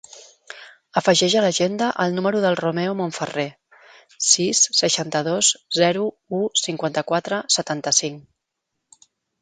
Afegeix a l'agenda el número del Romeo Monferrer: sis, seixanta-dos, zero, u, cinquanta-quatre, setanta-cinc.